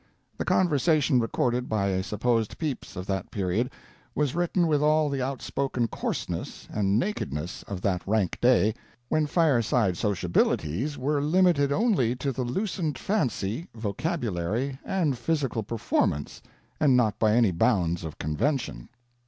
The 'conversation' recorded by a supposed Pepys of that period, was written with all the outspoken coarseness and nakedness of that rank day, when fireside sociabilities were limited only to the loosened fancy, vocabulary, and physical performance, and not by any bounds of convention."